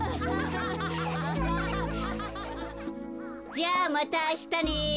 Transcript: じゃあまたあしたね。